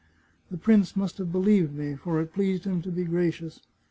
The prince must have believed me, for it pleased him to be gracious.